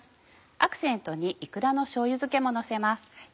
アクセントにイクラのしょうゆ漬けものせます。